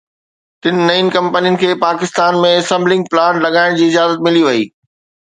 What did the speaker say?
ٽن نئين ڪمپنين کي پاڪستان ۾ اسمبلنگ پلانٽ لڳائڻ جي اجازت ملي وئي